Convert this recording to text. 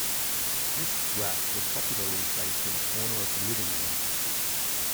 This rack was popularly placed in a corner of the living room.